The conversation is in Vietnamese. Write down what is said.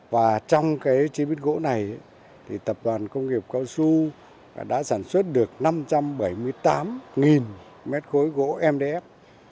và trong cái chế biến gỗ này thì tập đoàn công nghiệp cao su đã sản xuất được năm trăm bảy mươi tám m ba gỗ mdf